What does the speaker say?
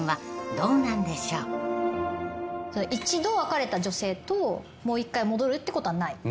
一度別れた女性ともう一回戻るってことはない？